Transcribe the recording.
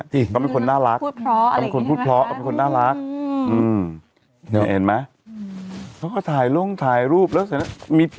ได้เห็นไหมเค้าก็ถ่ายลงถ่ายรูปกับเสื้อน่ะ